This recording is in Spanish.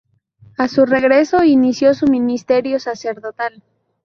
A su regreso inició su ministerio sacerdotal.